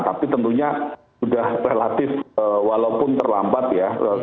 tapi tentunya sudah relatif walaupun terlambat ya